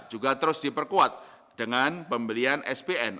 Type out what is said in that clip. juga terus diperkuat dengan pembelian spn